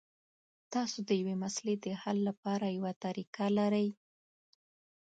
تاسو د یوې مسلې د حل لپاره خپله طریقه لرئ.